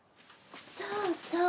そうそう。